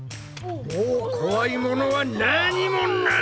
もう怖いものは何もない！